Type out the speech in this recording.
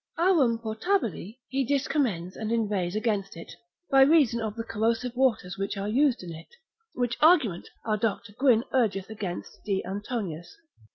Aurum potabile, he discommends and inveighs against it, by reason of the corrosive waters which are used in it: which argument our Dr. Guin urgeth against D. Antonius.